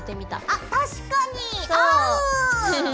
あっ確かに合う！